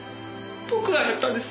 僕がやったんです。